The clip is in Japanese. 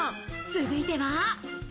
続いては。